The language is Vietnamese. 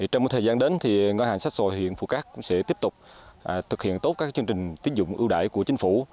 trong thời gian đến ngân hàng chính sách xã hội phu cát sẽ tiếp tục thực hiện tốt các chương trình tiến dụng ưu đại của chính phủ